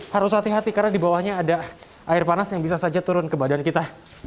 harus hati hati karena di bawahnya ada air panas yang bisa saja turun ke badan kita